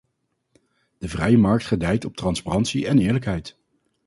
De vrije markt gedijt op transparantie en eerlijkheid.